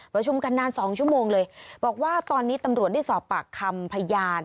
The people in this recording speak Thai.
ประชุมกันนานสองชั่วโมงเลยบอกว่าตอนนี้ตำรวจได้สอบปากคำพยาน